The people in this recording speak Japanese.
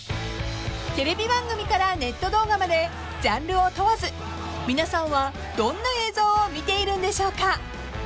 ［テレビ番組からネット動画までジャンルを問わず皆さんはどんな映像を見ているんでしょうか？］